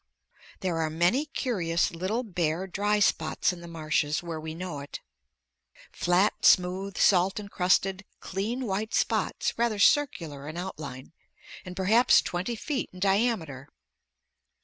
There are many curious little bare dry spots in the marshes where we know it. Flat, smooth, salt encrusted, clean white spots rather circular in outline, and perhaps twenty feet in diameter.